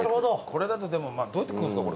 これだとでもどうやって食うんですか？